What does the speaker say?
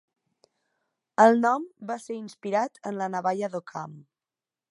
El nom va ser inspirat en la navalla d'Occam.